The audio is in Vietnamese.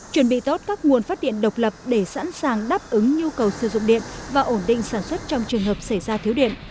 chuẩn bị tốt các nguồn phát điện độc lập để sẵn sàng đáp ứng nhu cầu sử dụng điện và ổn định sản xuất trong trường hợp xảy ra thiếu điện